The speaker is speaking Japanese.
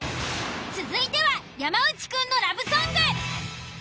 続いては山内くんのラブソング。